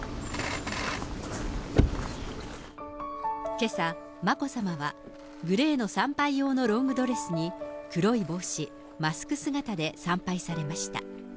けさ、眞子さまはグレーの参拝用のロングドレスに、黒い帽子、マスク姿で参拝されました。